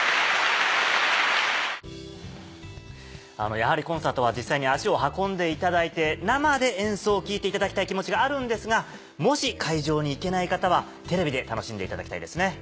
やはりコンサートは実際に足を運んでいただいて生で演奏を聴いていただきたい気持ちがあるんですがもし会場に行けない方はテレビで楽しんでいただきたいですね。